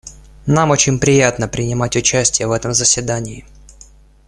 Нам очень приятно принимать участие в этом заседании.